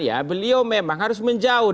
ya beliau memang harus menjauh